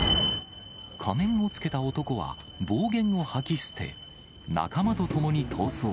仮面をつけた男は、暴言を吐き捨て、仲間と共に逃走。